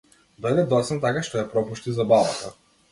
Дојде доцна така што ја пропушти забавата.